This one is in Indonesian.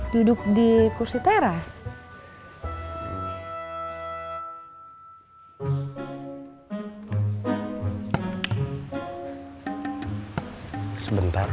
duduk di kursi teras